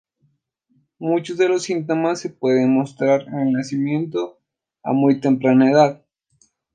Muchos de los síntomas se pueden mostrar en el nacimiento a muy temprana edad.